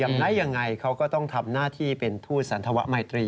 ยำไล่อย่างไรเขาก็ต้องทำหน้าที่เป็นทูตสันธวะใหม่ตรี